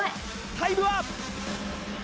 タイムは？